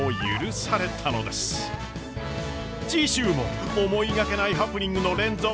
次週も思いがけないハプニングの連続！